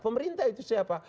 pemerintah itu siapa